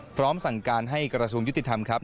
พร้อมสั่งการให้กระทรวงยุติธรรมครับ